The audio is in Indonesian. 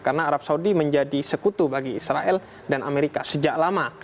karena arab saudi menjadi sekutu bagi israel dan amerika sejak lama